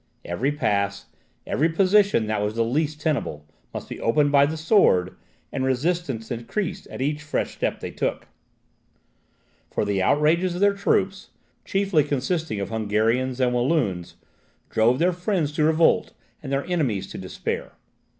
Every pass, every position that was the least tenable, must be opened by the sword, and resistance increased at each fresh step they took, for the outrages of their troops, chiefly consisting of Hungarians and Walloons, drove their friends to revolt and their enemies to despair.